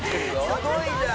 すごいじゃん！